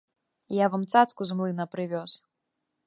Я вам цацку з млына прывёз.